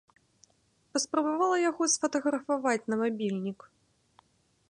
Паспрабавала яго сфатаграфаваць на мабільнік.